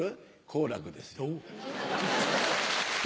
好楽ですよ。